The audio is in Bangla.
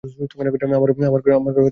আমার ঘরে আর-কেউ নেই।